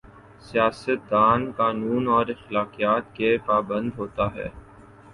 سیاست دان قانون اور اخلاقیات کا پابند ہو تا ہے۔